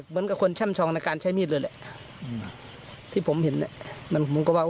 เหมือนกับคนช่ำชองในการใช้มีดเลยแหละอืมที่ผมเห็นเนี้ยมันผมก็ว่า